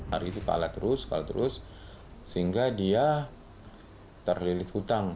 hari itu kalah terus sehingga dia terlilit utang